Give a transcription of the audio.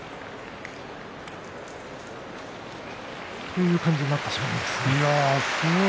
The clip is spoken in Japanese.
こういう感じになってしまうんですね。